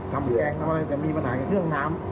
ทำแกงก็มีปัญหาอย่างเชื่อน้ำ